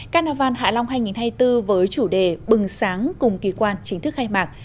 carnival hạ long hai nghìn hai mươi bốn với chủ đề bừng sáng cùng kỳ quan chính thức khai mạc